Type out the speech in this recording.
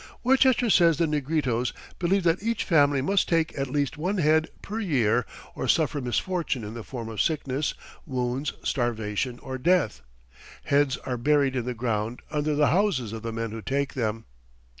Worcester says the Negritos "believe that each family must take at least one head per year or suffer misfortune in the form of sickness, wounds, starvation or death." Heads are buried in the ground under the "houses" of the men who take them.